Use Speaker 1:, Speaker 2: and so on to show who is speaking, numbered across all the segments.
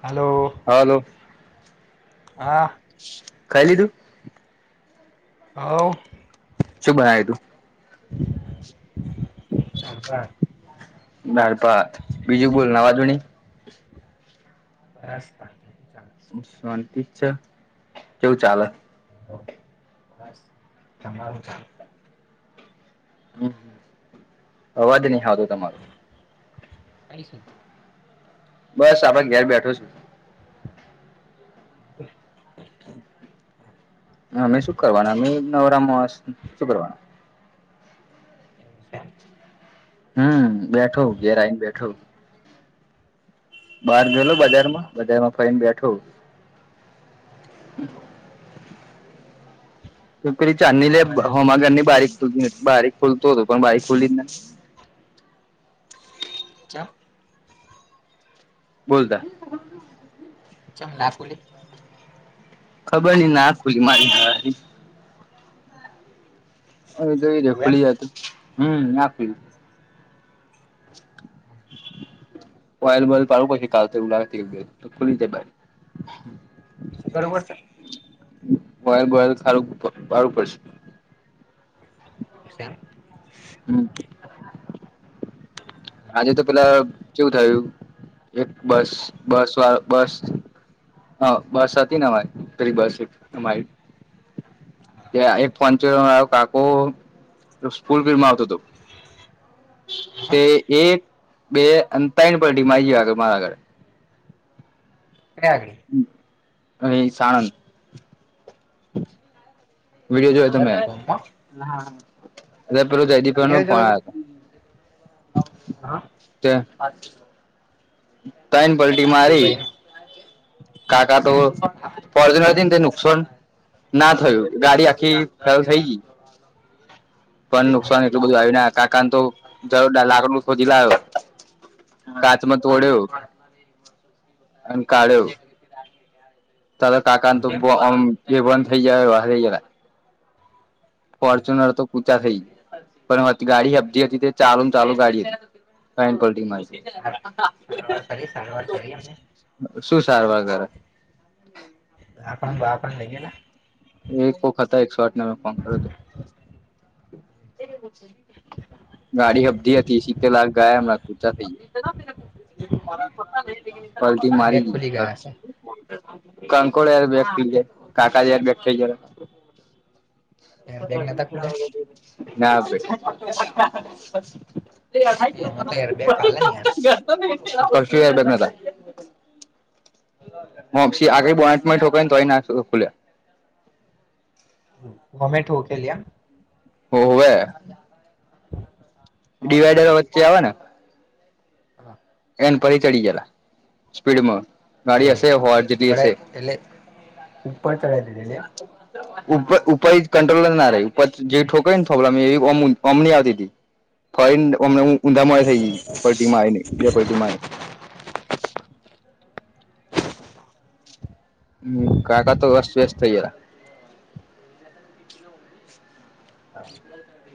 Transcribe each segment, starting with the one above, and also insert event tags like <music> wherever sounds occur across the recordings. Speaker 1: Hello,
Speaker 2: hello
Speaker 1: હા.
Speaker 2: ખાઈ લીધું?
Speaker 1: હો
Speaker 2: શું બનાય તું?
Speaker 1: દરબાર
Speaker 2: દાળ ભાત, બીજું બોલ નવાજૂની.
Speaker 1: બસ શાંતિ હા
Speaker 2: તું શાંતિ છે કેવું ચાલે છે?
Speaker 1: <unintelligible>
Speaker 2: હમ, અવાજ નહીં આવતો તમારો.
Speaker 1: <unintelligible>
Speaker 2: બસ, આપણ ઘેર બેઠો છું.
Speaker 1: <inaudible>
Speaker 2: હા, અમેં શું કરવાના અમેં નવરામાં શું કરવાના
Speaker 1: <unintelligible>
Speaker 2: હમ, બેઠો ઘેર આવીને બેઠો. બહાર
Speaker 1: કઈ
Speaker 2: જોઈ લો,
Speaker 1: ગયેલા એમનો
Speaker 2: બજારમાં બજારમાં ફાઇન બેઠો.
Speaker 1: એવું બજારમાં જઈને શું કર્યું?
Speaker 2: <unintelligible>
Speaker 1: <unintelligible>
Speaker 2: બોલતા
Speaker 1: <unintelligible>
Speaker 2: ખબર નઈ ના <unintelligible> હ તો એ
Speaker 1: એવું એમ
Speaker 2: ખુલી જતું હમ આખું <inaudible> <unintelligible>
Speaker 1: બરોબર છે
Speaker 2: બોયલ બોયલ સારું સારું પડશે <inaudible>
Speaker 1: <inaudible>
Speaker 2: હમ આજે તો પેલા કેવું થયું એક બસ બસ વાળ બસ હા બસ હતી ને અમારી પેલી બસ અમારી
Speaker 1: <inaudible>
Speaker 2: ત્યાં એક ફંચરો કાકો <unintelligible> આવતો હતો
Speaker 1: હા
Speaker 2: તે એક બે તઈણ પલ્ટી મારી જ્યો મારા આગર
Speaker 1: <unintelligible>
Speaker 2: અહીં સાણંદ વિડીયો જોયો તો
Speaker 1: દર
Speaker 2: મે
Speaker 1: કોમમાં
Speaker 2: પેલો <unintelligible>
Speaker 1: વિડીયો જોયો તો હા
Speaker 2: <unintelligible> તઈન પલટી
Speaker 1: એ
Speaker 2: મારી
Speaker 1: ભાઈ
Speaker 2: કાકા
Speaker 1: હા
Speaker 2: તો <unintelligible> નુકસાન ના થયું ગાડી આખી ફેલ થઈ ગઈ પણ નુકસાન એટલું બધું આયુ ના કાકાન તો <unintelligible> લાકડું શોધી લાયો કાચમાં તોડ્યો અને કાળ્યો તાતા કાકાન તોમ
Speaker 1: એવું એમ
Speaker 2: <unintelligible> ફોરર્ચુનર તો <unintelligible> પણ ગાડી જે હતી તે ચાલુ ને ચાલુ ગાડી <unintelligible>
Speaker 1: સારવાર કરી સારવાર કરી અમે
Speaker 2: શું સારવાર કરે
Speaker 1: <unintelligible>
Speaker 2: એક કોક હતા એકસો આઠને મે ફોન કર્યો હતો.
Speaker 1: ગયેલા
Speaker 2: ગાડી હબધી હતી સી કેલાક ગયા એમણા પૂચા થઈ ગયા.
Speaker 1: બેગ ખુલી ગયા હશે તો
Speaker 2: <inaudible> <unintelligible> <unintelligible> ના <unintelligible> <unintelligible> હછી આગળ બોટ ઠોકને તોય ના ખુલ્યા <inaudible>
Speaker 1: વમેટુંકેલીમ <unintelligible>
Speaker 2: ઓ હવે ડિવાઈડરો વચ્ચે આવે ને
Speaker 1: હા
Speaker 2: એન પરી ચડી ગલા સ્પીડમાં ગાડી હશે હોર જેટલી હશે
Speaker 1: એલે ઉપર <inaudible> ચઢદી દી એમ
Speaker 2: <inaudible> વાચ.. ઉપર ઉપર કંટ્રોલ જ નાર ઉપર, જે ઠોકય કઈ ને પ્રોબ્લેમ એવી અમણી આવતી હતી. ફઈ અમને ઊંધા મળે થઈ ગઈ પલ્ટી માંને બે પલ્ટીમાં.. હમ કાકા, તો અસ્ત-વ્યસ્ત થઈ જયા.
Speaker 1: હા..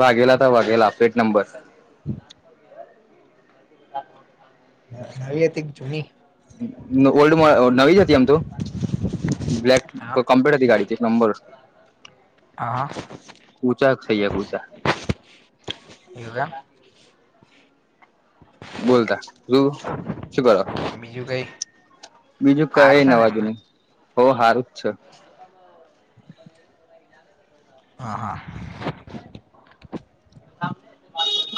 Speaker 2: ભાઘેલા <inaudible> હતા વાઘેલા પ્લેટ નંબર.
Speaker 1: હમ..
Speaker 2: હા..
Speaker 1: નવી હતી, <inaudible> એક જૂની.
Speaker 2: ઓલ્ડ નવી જ હતી, એમ તો. બ્લલેક
Speaker 1: હા
Speaker 2: કમ્પ્યુટર હતી, ગાડીથી <inaudible> એક નંબર.
Speaker 1: હા..
Speaker 2: કૂચા થઈ ગયા કૂચા
Speaker 1: યો <inaudible> આ
Speaker 2: બોલતા, તું શું કરો.
Speaker 1: એમ બીજું કઈ
Speaker 2: બીજું કઈ
Speaker 1: સારું
Speaker 2: ન
Speaker 1: છે ને એમને
Speaker 2: અવાજુને બઉ સારું જ છે.
Speaker 1: હા.. હા..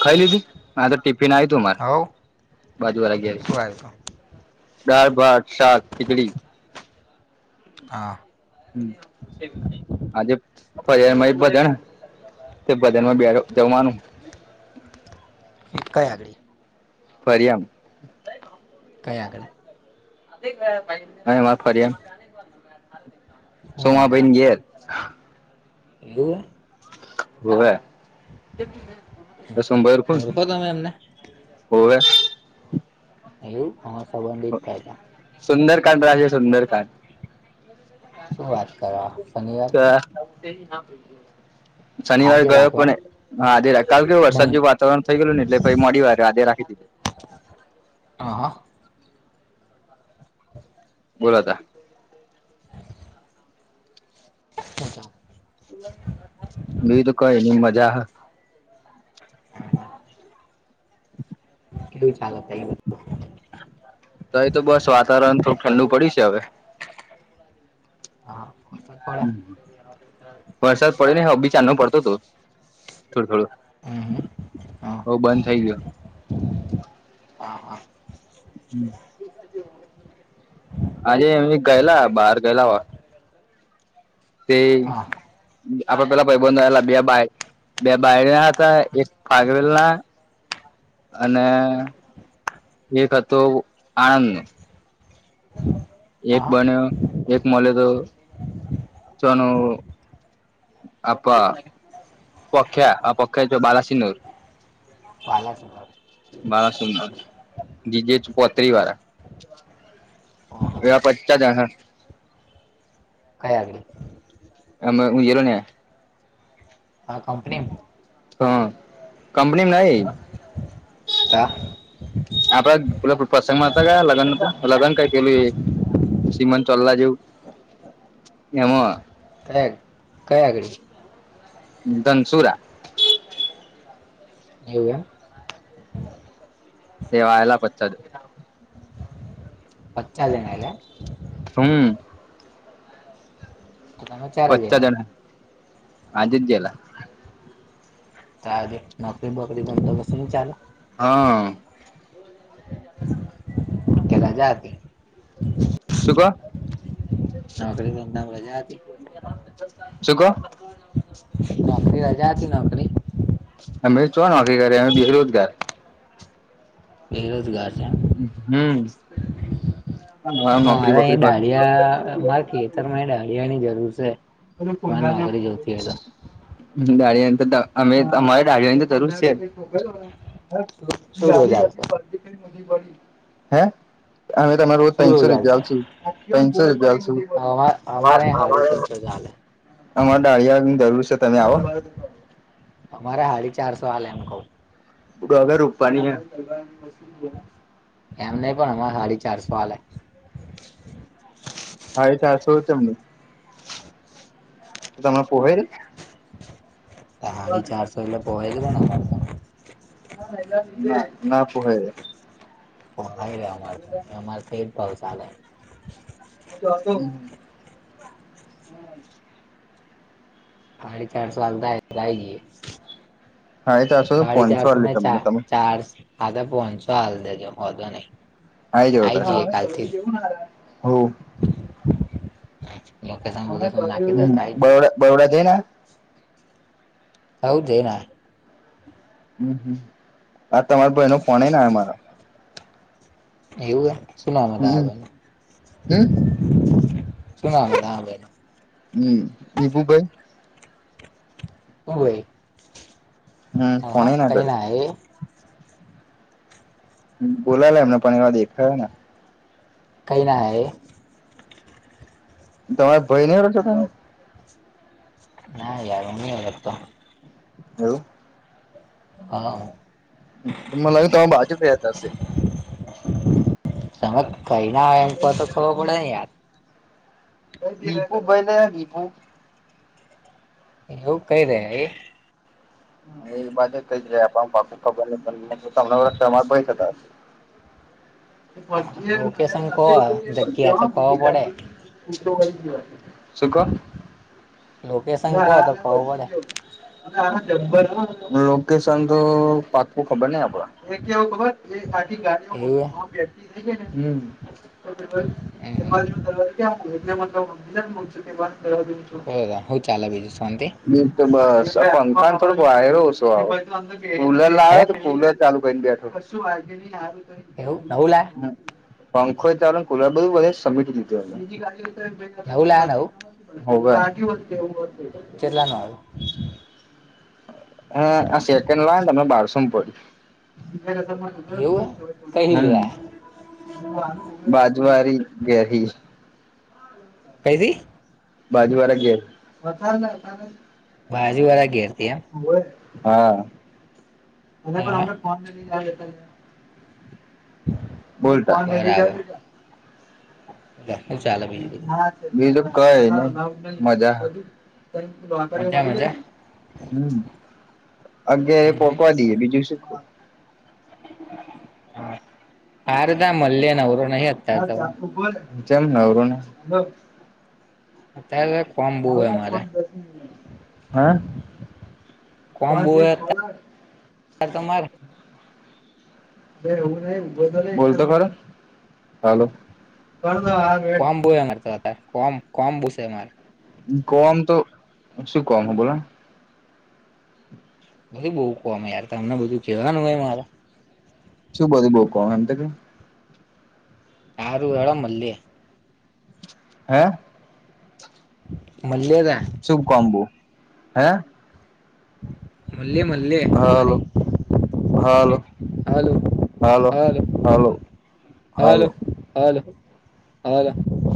Speaker 2: ખાઈ લીધી, <inaudible> હ તો ટિફિન આ.. તું માન
Speaker 1: હવ
Speaker 2: બાજુ વાળા ઘરેથી
Speaker 1: શું આવ્યું તું
Speaker 2: દાળ, ભાત, શાક, ખીચડી..
Speaker 1: હા..
Speaker 2: હમ.. <inaudible> એક આજે ફરિયામાં <inaudible> ભજણ <unintelligible> અહે ને, તે ભજનમાં બે જવાનું.
Speaker 1: કઈ આગડી.
Speaker 2: ફરિયામ
Speaker 1: ક્યાં આગળ
Speaker 2: અહીં માં ફરીયા, એમ
Speaker 1: હું નામ એમ?
Speaker 2: સોમાભાઈની ઘેર.
Speaker 1: એવું
Speaker 2: હોવે <inaudible> સુંભાઈ ખસે.
Speaker 1: ઓળખો તમે એમને
Speaker 2: હોવે..
Speaker 1: એવુ, અમારા સંબંધિત થાય ત્યાં.
Speaker 2: સુંદરકાંડ રાજે સુંદરકાંડ
Speaker 1: શું વાત કરો શનિવાર
Speaker 2: ચા શનિવાર
Speaker 1: આજે
Speaker 2: ગયો
Speaker 1: રાખે એમ
Speaker 2: પણ એ.. હા આજે રાત્રે <inaudible> આવીરિયો
Speaker 1: હ
Speaker 2: વરસાદવ વાવરણ થઈ ગયુંને એટલે ભાઈ મોડીવાઆયરૂ આજે રાખી દીધું.
Speaker 1: હ.. હ.. <unintelligible> હ..
Speaker 2: બોલો હતા.
Speaker 1: <unintelligible> હચ
Speaker 2: બીજું તો કઈ નઈ મજા.
Speaker 1: હમ, હા <inaudible> કેલું ચાલે હતા એ.
Speaker 2: તો <inaudible> એ તો બસ વાતાવરણ થોડું ઠંડુ પડી છે. હવે,
Speaker 1: હા વરસાદ પડે
Speaker 2: <unintelligible> આ.. વરસાદ પડેને હબી ચાનો પડતો હતો, થોડો થોડો..
Speaker 1: હમ હમ હા
Speaker 2: અવ બંધ થઈ ગયો.
Speaker 1: હા.. હા..
Speaker 2: હ.. આજે અમે ગયેલા બહાર ગયેલા વાહ તેઈ
Speaker 1: હા
Speaker 2: આપડે પેલા ભાઈબંધ આવેલા બે બાઈ બે બાયલા હતા, એક પાાગવેલ ના. અને એક હતો, આણંદ નો. એક
Speaker 1: હા
Speaker 2: બન્યો એક મળે તો ચોનું. આપપ પખ્યા આ પખ્યા જો બાલાસિનુર
Speaker 1: બાલા- -
Speaker 2: બાર સુંના જીજે પોત્રી વાળા. એવા પંચા જણા- -
Speaker 1: કઈ આવી
Speaker 2: આમા ઉજલો યા.
Speaker 1: હા કંપનીમાં- -
Speaker 2: હા કંપની નઈ.
Speaker 1: તા- -
Speaker 2: આપણા પુ પ્રસંગ માતા ક લગ્ન તો લગ્ન કઈક એવી- - સીમન ચલ્લા જેવુ- - એમ
Speaker 1: કયા કઈ આગળ
Speaker 2: ઘનશૂરા.
Speaker 1: એવું એમ
Speaker 2: દેવા આએલા પચા જણ - -
Speaker 1: પચા જનેલે- -
Speaker 2: હમ.
Speaker 1: તો તમે ચાર જ
Speaker 2: પચા જણા આજે જ ગેલા.
Speaker 1: ત્યારે નોકરી બોકરી બંદોબસ્ત ન ચાલે- -
Speaker 2: હા.
Speaker 1: મજા હતી.
Speaker 2: શું ક- -
Speaker 1: નોકરી એમના મજા હતી.
Speaker 2: શું કો?
Speaker 1: નોકરી રજા હતી નોકરી.
Speaker 2: અમે ચો નોકરી અમે બેરોજગાર.
Speaker 1: બેરોજગાર છે.
Speaker 2: હમ. નોકરી
Speaker 1: મારે એ
Speaker 2: બોકરી હોય
Speaker 1: ડાળીયા મારે ખેતર માં ડાળીયા ની જરૂર છે. તેમા નોકરી જોયતી હોય એ તો- -
Speaker 2: દાળી ની તો અમે અમારે દાળીયા ની તો જરૂર છે. હ
Speaker 1: તો શું શું રોજ
Speaker 2: ગાડી
Speaker 1: આલશો
Speaker 2: ગાડી પર- - હે અમે તમાર રોજ તસો રૂપિયા આવશે તનસો રૂપિયા આવશે- -
Speaker 1: અમાર અમારે હારીસંહ ચાલે.
Speaker 2: અમારે ડાળિયાની જરૂર છે તમે આવોને?
Speaker 1: અમારે હાડી ચારસો આલયાએમ કહુ.
Speaker 2: ડૂગ રૂપા નની.
Speaker 1: એમને પણ અમારે સાડી ચાર હાલ.
Speaker 2: હાડી ચાસો ચમલીઘુ તમને પોહય?
Speaker 1: સાડી ચારશો એલે પોહ જો ના.
Speaker 2: ના પોહાય.
Speaker 1: અમાર અમારે તો જ ભાવ ચાલે..
Speaker 2: જશે- - હમ.
Speaker 1: <unintelligible>
Speaker 2: હાઈટ આઠસો તો
Speaker 1: હાડી
Speaker 2: પોનસો
Speaker 1: ચારસો
Speaker 2: આલે તમને
Speaker 1: ચાર
Speaker 2: તમે
Speaker 1: ચાર સ <unintelligible>
Speaker 2: <unintelligible>
Speaker 1: લોકેશન બોકેશન નાખી દો એટલે આઈ જાય.
Speaker 2: <unintelligible>
Speaker 1: આવજે હે ના.
Speaker 2: હમ્મ-હમ્મ. આ તમાર ભાઈ નો ફોન નહીં આયે અમારા.
Speaker 1: એવું? શું નામ
Speaker 2: હમ
Speaker 1: હતું
Speaker 2: હમ
Speaker 1: <unintelligible> <inaudible>
Speaker 2: હમ્મ. <unintelligible> ભાઈ.
Speaker 1: હોવે.
Speaker 2: હમ્મ. ફોન એય ના કર્યો.
Speaker 1: <unintelligible>
Speaker 2: બોલાલા એમને પણ હવે દેખાય ના.
Speaker 1: કંઈ નાહે એ.
Speaker 2: તમાર ભઈ નહીં <unintelligible>
Speaker 1: ના યાર <unintelligible>
Speaker 2: એવું!
Speaker 1: હા.
Speaker 2: <unintelligible>
Speaker 1: તમે કંઈ ના આવે એમ પર તો ખબર પડે યાર.
Speaker 2: <unintelligible>
Speaker 1: એવું કઈ રહે એ..
Speaker 2: <unintelligible>
Speaker 1: લોકેશન કહો જગ્યા તો ખબર પડે
Speaker 2: <unintelligible> શું કહો?
Speaker 1: લોકેશન કહો તો ખબર પડે
Speaker 2: લોકેશન તો પાક્કું ખબર ન આપડા.
Speaker 1: એવું
Speaker 2: હમ્મ.
Speaker 1: હે હમ
Speaker 2: <unintelligible>
Speaker 1: એ યાર હું ચાલે બીજું, શાંતી?
Speaker 2: એક નંબર.
Speaker 1: હે
Speaker 2: <unintelligible> <unintelligible>
Speaker 1: એવું નવું લા
Speaker 2: પંખોય ચાલુંન કુલર
Speaker 1: નવું લા નવું
Speaker 2: <unintelligible> <unintelligible> હોવે.
Speaker 1: કેટલા નું આવ્યું
Speaker 2: હા. આ સેકન્ડ લાઈ તો અમે બારસોમ પડ્યું.
Speaker 1: એવું હે કઈ
Speaker 2: હમ્મ.
Speaker 1: લ્યા
Speaker 2: બાજવારી ગેરીસ
Speaker 1: કેઈથી?
Speaker 2: બાજુવાળા ગેર
Speaker 1: બાજુવાળા ઘેરથી એમ
Speaker 2: હા.
Speaker 1: હા હા
Speaker 2: <unintelligible>
Speaker 1: તો ચાલો
Speaker 2: બીજું કંઈ નહીં, મજા. હમ્મ. અગિયા એ પોખવા દઈએ બીજું શું.
Speaker 1: <unintelligible>
Speaker 2: <unintelligible> હા? બસ
Speaker 1: અત્યારે કોમ્બુ હે મારે
Speaker 2: ભાઈ ચાલ,
Speaker 1: સર તમારા,
Speaker 2: બોલતો ખરો હાલો,
Speaker 1: કમ બહુ મારે તો,
Speaker 2: કામ તો શું હ બોલો,
Speaker 1: બધી બહુ કહે યાર અમને બધું કેવાનું હોય મારે,
Speaker 2: શું બધું બહુ એમ તો કે,
Speaker 1: સારું મળીએ,
Speaker 2: <unintelligible>
Speaker 1: મળે.
Speaker 2: શું કામ બહુ,
Speaker 1: મળીએ
Speaker 2: હાલો
Speaker 1: ફરી,
Speaker 2: હાલો, હાલો હાલો
Speaker 1: હાલો, હેલો.